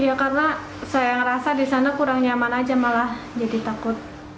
iya karena saya ngerasa disana kurang nyaman aja malah jadi takut